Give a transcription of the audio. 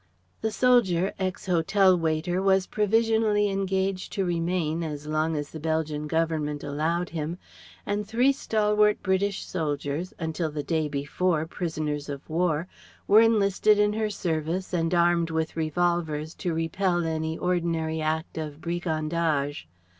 The soldier ex hotel waiter was provisionally engaged to remain, as long as the Belgian Government allowed him, and three stalwart British soldiers, until the day before prisoners of war, were enlisted in her service and armed with revolvers to repel any ordinary act of brigandage.